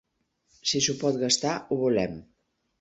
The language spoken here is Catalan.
Si s'ho pot gastar, ho volem.